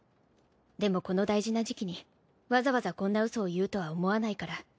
でもこの大事な時期にわざわざこんなウソを言うとは思わないから。